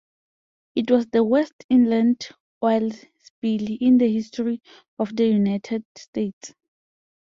It was the worst inland oil spill in the history of the United States.